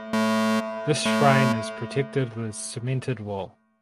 This shrine is protected with cemented wall.